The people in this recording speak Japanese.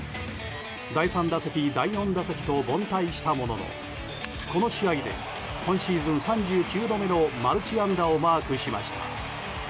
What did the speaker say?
第３打席、第４打席と凡退したもののこの試合で今シーズン３９度目のマルチ安打をマークしました。